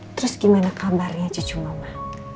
terus gimana kabarnya cucu mama